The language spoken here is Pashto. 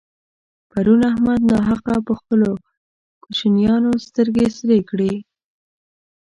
پرون احمد ناحقه پر خپلو کوشنيانو سترګې سرې کړې.